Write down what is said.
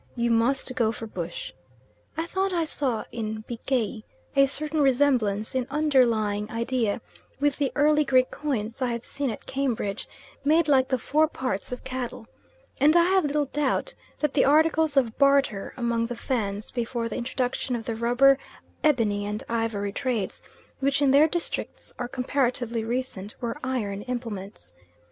You must go for bush. I thought I saw in bikei a certain resemblance in underlying idea with the early Greek coins I have seen at Cambridge, made like the fore parts of cattle; and I have little doubt that the articles of barter among the Fans before the introduction of the rubber, ebony, and ivory trades, which in their districts are comparatively recent, were iron implements.